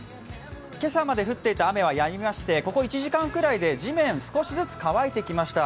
今朝まで降っていた雨はやみましてここ１時間くらいで地面、少しずつ乾いてきました。